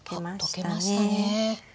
溶けましたね。